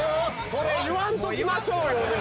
それ言わんときましょうよねえ